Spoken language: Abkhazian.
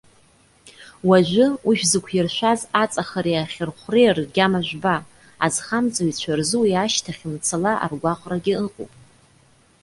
Уажәы, уи шәзықәиршәаз аҵахареи ахьырхәреи ргьама жәба, азхамҵаҩцәа рзы уи ашьҭахь, мцала аргәаҟрагьы ыҟоуп.